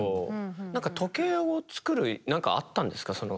何か時計をつくる何かあったんですか？